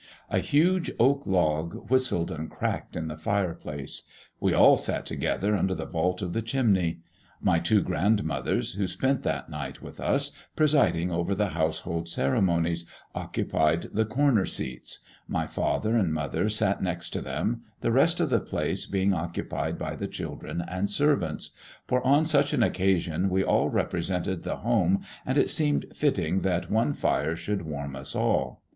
A huge oak log whistled and crackled in the fireplace. We all sat together under the vault of the chimney. My two grandmothers, who spent that night with us, presiding over the household ceremonies, occupied the corner seats; my father and mother sat next to them, the rest of the place being occupied by the children and servants; for on such an occasion we all represented the home, and it seemed fitting that one fire should warm us all.